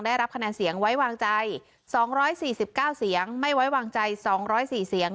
ได้รับคะแนนเสียงไว้วางใจสองร้อยสี่สิบเก้าเสียงไม่ไว้วางใจสองร้อยสี่เสียง